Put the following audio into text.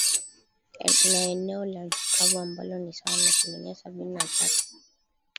ni eneo la nchi kavu ambalo ni sawa na asilimia sabini na tatu